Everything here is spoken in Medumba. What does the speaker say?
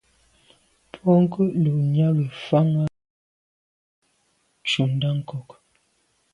Bwɔ́ŋkə̂’ lû nyágə̀ fáŋ â zît jū ncùndá ŋkɔ̀k.